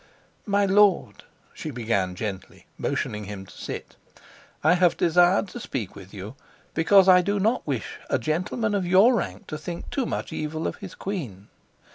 "My lord," she began gently, motioning him to sit, "I have desired to speak with you, because I do not wish a gentleman of your rank to think too much evil of his queen.